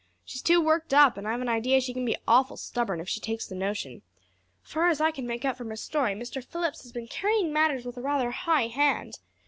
She's too worked up and I've an idea she can be awful stubborn if she takes the notion. Far as I can make out from her story, Mr. Phillips has been carrying matters with a rather high hand.